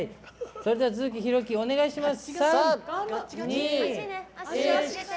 それでは都築拓紀、お願いします。